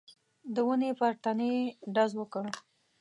د ونې پر تنې يې ډز وکړ.